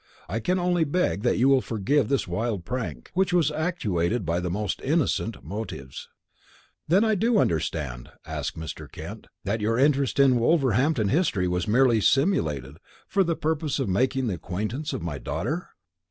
I can only beg that you will forgive this wild prank, which was actuated by the most innocent motives." "Then do I understand," asked Mr. Kent, "that your interest in Wolverhampton history was merely simulated, for the purpose of making the acquaintance of my daughter?"